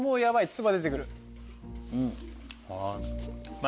唾出てくる。